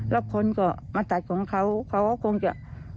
แล้วคนก็มาตัดของเขาเขาก็คงจะ